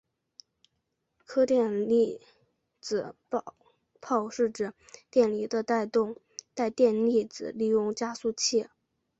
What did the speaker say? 荷电粒子炮是指电离的带电粒子利用加速器将其加速打出以其破坏敌械的武器。